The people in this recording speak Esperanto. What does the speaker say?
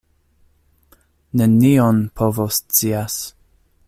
Nenion povoscias!